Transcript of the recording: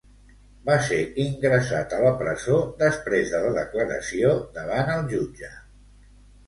Va ser ingressat a la presó després de la declaració davant el jutge.